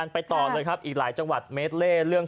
เผยกันหมดเลยนะ